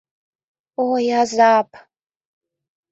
— Ой, азап...